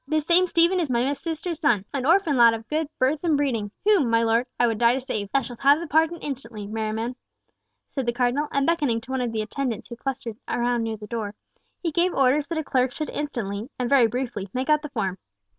This same Stephen is my sister's son, an orphan lad of good birth and breeding—whom, my lord, I would die to save." "Thou shalt have the pardon instantly, Merriman," said the Cardinal, and beckoning to one of the attendants who clustered round the door, he gave orders that a clerk should instantly, and very briefly, make out the form.